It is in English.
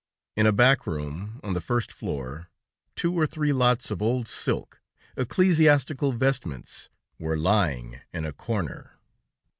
In a back room, on the first floor, two or three lots of old silk, ecclesiastical vestments, were lying in a corner.